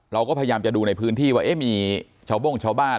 เราก็พยายามจะดูในพื้นที่ว่ามีชาวโบ้งชาวบ้าน